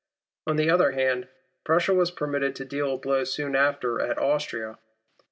On the other hand, Prussia was permitted to deal a blow soon after at Austria.